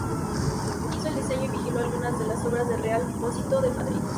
Hizo el diseño y vigiló algunas de las obras del Real Pósito de Madrid.